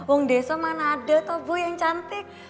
uang desa mana ada tau bu yang cantik